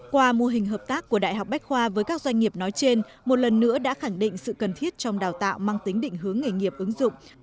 qua mô hình hợp tác của đại học bách khoa với các doanh nghiệp nói trên một lần nữa đã khẳng định sự cần thiết trong đào tạo mang tính định hướng nghề nghiệp ứng dụng